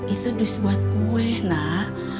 itu dus buat kue nak